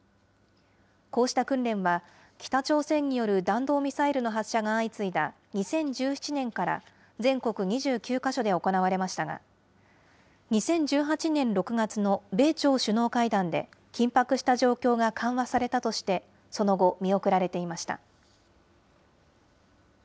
こうした訓練は、北朝鮮による弾道ミサイルの発射が相次いだ２０１７年から、全国２９か所で行われましたが、２０１８年６月の米朝首脳会談で、緊迫した状況が緩和されたとして、その後、見送られていました。